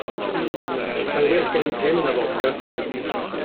Mae well gen i jin na fodca.